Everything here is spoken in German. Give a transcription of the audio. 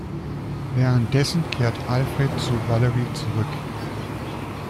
Währenddessen kehrt Alfred zu Valerie zurück.